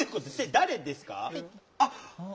誰ですか？